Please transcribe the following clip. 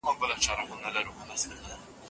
لوستونکی کولی شي شعر تحلیل کړي.